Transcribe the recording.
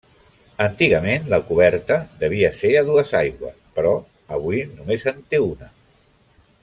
Antigament la coberta devia ser a dues aigües, però avui només en té una.